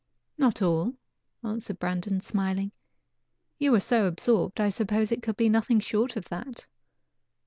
"Not all," answered Brandon, smiling. "You were so absorbed, I supposed it could be nothing short of that."